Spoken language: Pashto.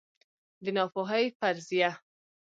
د ناپوهۍ فرضیه